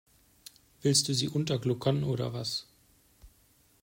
Willst du sie untergluckern oder was?